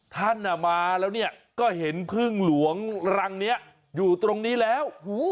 ท่านมาแล้วเนี่ยก็เห็นพึ่งหลวงรังนี้อยู่ตรงนี้แล้ว